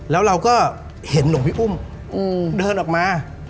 แล้วเราก็เห็นหลวงพี่อุ้มเดินออกมา